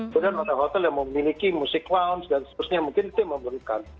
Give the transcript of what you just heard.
kemudian hotel hotel yang memiliki musik lounge dan seterusnya mungkin itu yang memerlukan